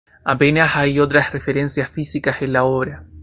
Apenas hay otras referencias físicas en la obra.